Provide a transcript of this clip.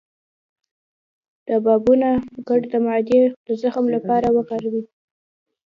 د بابونه ګل د معدې د زخم لپاره وکاروئ